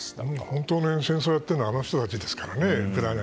本当の戦争をやっているのはあの人だけですからね。